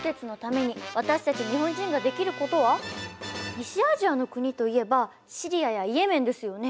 西アジアの国といえばシリアやイエメンですよね。